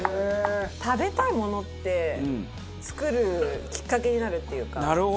食べたいものって作るきっかけになるっていうか。